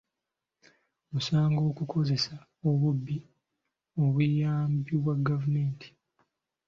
Musango okukozesa obubi obuyambi bwa gavumenti.